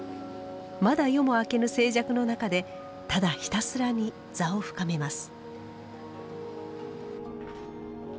まだ夜も明けぬ静寂の中でただひたすらに坐を深めます。